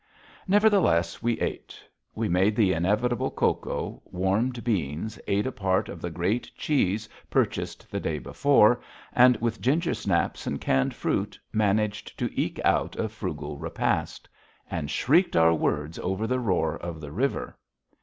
Nevertheless, we ate. We made the inevitable cocoa, warmed beans, ate a part of the great cheese purchased the day before, and, with gingersnaps and canned fruit, managed to eke out a frugal repast. And shrieked our words over the roar of the river.